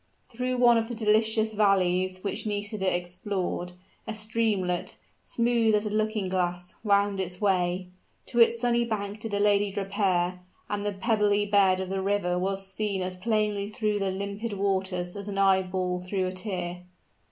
Through one of the delicious valleys which Nisida explored, a streamlet, smooth as a looking glass, wound its way. To its sunny bank did the lady repair; and the pebbly bed of the river was seen as plainly through the limpid waters as an eyeball through a tear.